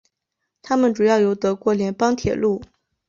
它们主要由德国联邦铁路。